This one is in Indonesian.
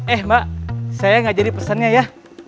eh mbak saya ngajari pesannya ya